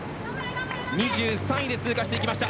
２３位で通過していきました。